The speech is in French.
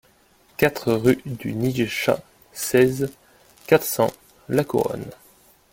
quatre rue du Nige Chat, seize, quatre cents, La Couronne